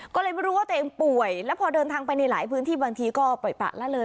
ก็เลยไม่รู้ว่าตัวเองป่วยแล้วพอเดินทางไปในหลายพื้นที่บางทีก็ปล่อยปะละเลย